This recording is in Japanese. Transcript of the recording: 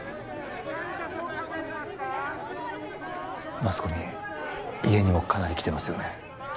マスコミ家にもかなり来てますよね？